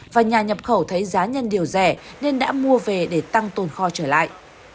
với giá nhân điều rẻ nên đã mua về để tăng tồn kho trở lại